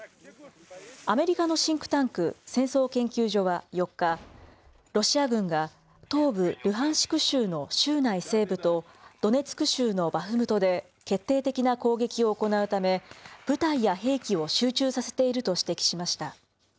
アメリカのシンクタンク、戦争研究所は４日、ロシア軍が東部ルハンシク州の州内西部とドネツク州のバフムトで決定的な攻撃を行うため部隊や兵器を集中させていると指摘しました。